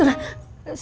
sekarang dia dimana nak